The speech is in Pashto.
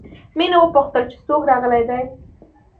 مينې وپوښتل چې څوک راغلي دي